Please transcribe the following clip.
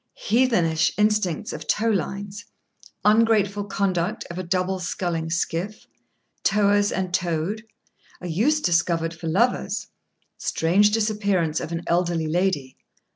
—Heathenish instincts of tow lines.—Ungrateful conduct of a double sculling skiff.—Towers and towed.—A use discovered for lovers.—Strange disappearance of an elderly lady.